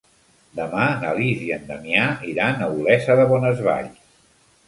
Demà na Lis i en Damià iran a Olesa de Bonesvalls.